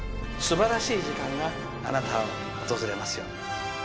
すばらしい時間があなたに訪れますように。